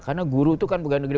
karena guru itu kan pegawai negeri